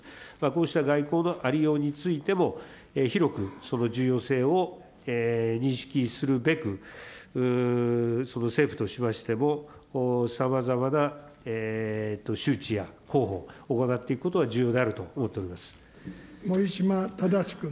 こうした外交のありようについても、広くその重要性を認識するべく、政府としましても、さまざまな周知や広報を行っていくことが重要であると思っており守島正君。